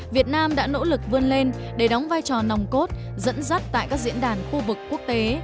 việt nam đã nỗ lực vươn lên để đóng vai trò nòng cốt dẫn dắt tại các diễn đàn khu vực quốc tế